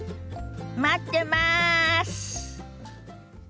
待ってます！